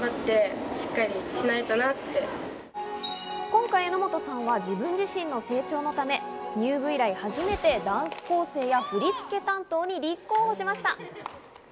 今回、榎本さんは自分自身の成長のため、入部以来初めてダンス構成や振り付け担当に立候補しました。